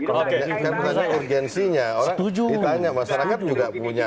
kan berdasarkan urgensinya orang ditanya masyarakat juga punya